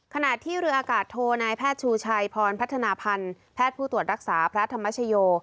ขณะที่เรืออากาศโทนายแพทย์ชูชัยพรพัฒนาพันธ์แพทย์ผู้ตรวจรักษาพระธรรมชโย